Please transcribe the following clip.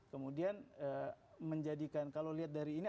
kemudian menjadikan kalau lihat dari ini